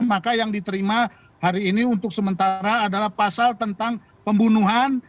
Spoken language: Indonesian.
maka yang diterima hari ini untuk sementara adalah pasal tentang pembunuhan